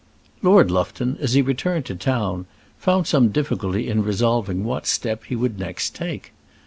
Lord Lufton, as he returned to town, found some difficulty in resolving what step he would next take.